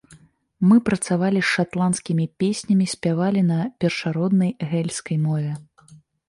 Мы працавалі з шатландскімі песнямі, спявалі на першароднай гэльскай мове.